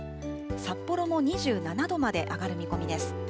札幌も２７度まで上がる見込みです。